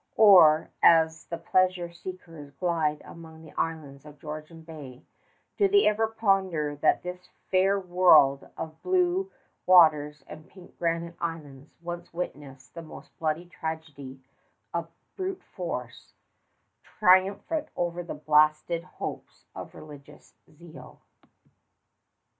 Or, as the pleasure seekers glide among the islands of Georgian Bay, do they ever ponder that this fair world of blue waters and pink granite islands once witnessed the most bloody tragedy of brute force, triumphant over the blasted hopes of religious zeal?